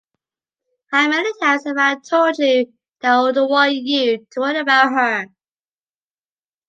How many times have I told you that I don’t want you to worry about her.